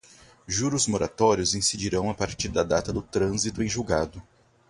juros moratórios incidirão a partir da data do trânsito em julgado